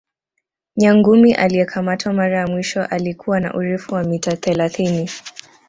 nyangumi aliyekamatwa mara ya mwisho alikuwa na urefu wa mita thelathini